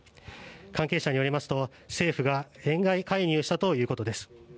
関係者によりますと、政府が円買い介入したということです。